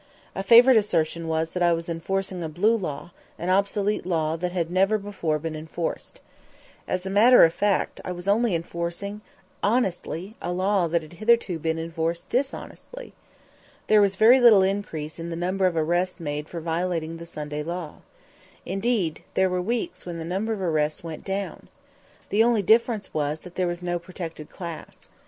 A favorite assertion was that I was enforcing a "blue" law, an obsolete law that had never before been enforced. As a matter of fact, I was only enforcing honestly a law that had hitherto been enforced dishonestly. There was very little increase in the number of arrests made for violating the Sunday law. Indeed, there were weeks when the number of arrests went down. The only difference was that there was no protected class.